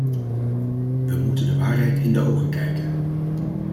We moeten de waarheid in de ogen kijken.